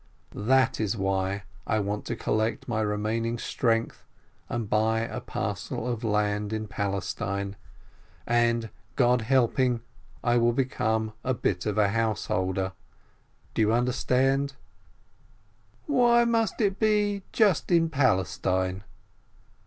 That is why I want to collect my remaining strength, and buy a parcel of land in Palestine, and, God helping, I will become a bit of a householder — do you understand?" "Why must it be just in Palestine